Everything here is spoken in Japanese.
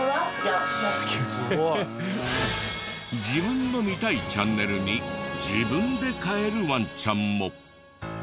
自分の見たいチャンネルに自分で変えるワンちゃんも。